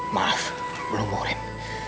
maaf belum urin